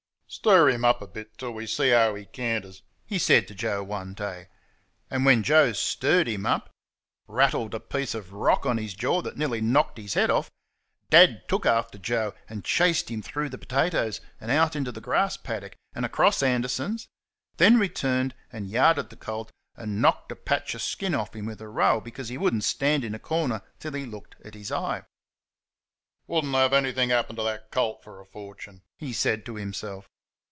"Stir him up a bit, till we see how he canters," he said to Joe one day. And when Joe stirred him up rattled a piece of rock on his jaw that nearly knocked his head off Dad took after Joe and chased him through the potatoes, and out into the grass paddock, and across towards Anderson's; then returned and yarded the colt, and knocked a patch of skin off him with a rail because he would n't stand in a corner till he looked at his eye. "Would n't have anything happen to that colt for a fortune!" he said to himself.